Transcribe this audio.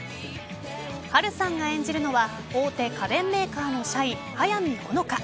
波瑠さんが演じるのは大手家電メーカーの社員速見穂香。